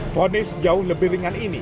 fonis jauh lebih ringan ini